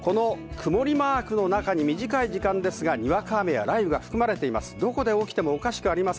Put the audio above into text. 曇りマークの中で短い時間ににわか雨や雷雨が含まれています。